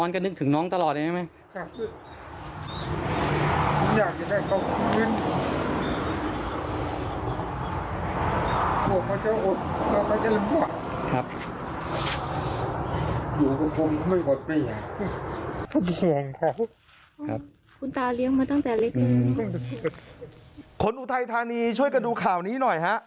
อุทัยธานีช่วยกันดูข่าวนี้หน่อยฮะ